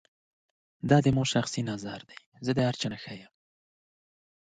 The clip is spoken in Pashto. دا زما شخصی نظر دی. زه تر ټولو غوره یم.